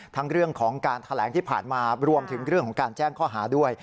ทั้งเรื่องของการแถลงที่ผ่านมารวมถึงเรื่องของการแจ้งข้อหาด้วย